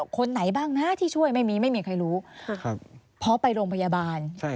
คนไหนบ้างนะที่ช่วยไม่มีไม่มีใครรู้เพราะไปโรงพยาบาล